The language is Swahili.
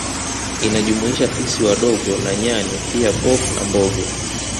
Inajumuisha fisi wadogo na Nyani pia pop na mbogo